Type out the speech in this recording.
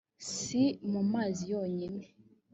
si mu mazi yonyine